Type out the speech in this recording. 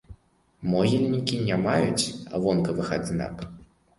Могільнікі не маюць вонкавых адзнак.